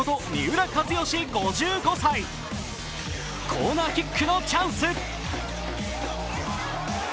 コーナーキックのチャンス。